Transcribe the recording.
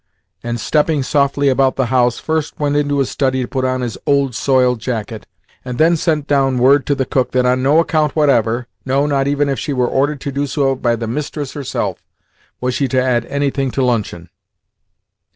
and, stepping softly about the house, first went into his study to put on his old soiled jacket, and then sent down word to the cook that on no account whatever no, not even if she were ordered to do so by the mistress herself was she to add anything to luncheon.